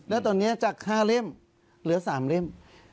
แล้วตอนนี้จาก๕เล่มเหลือ๓เล่ม